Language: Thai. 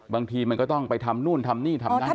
บางทีมันก็ต้องไปทำนู่นทำนี่ทำนั่น